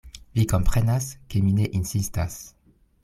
Vi komprenas, ke mi ne insistas.